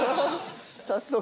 早速。